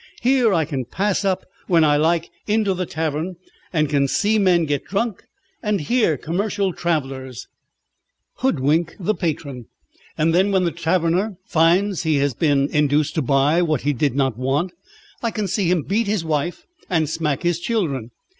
Here I can pass up when I like into the tavern, and can see men get drunk, and hear commercial travellers hoodwink the patron, and then when the taverner finds he has been induced to buy what he did not want, I can see him beat his wife and smack his children.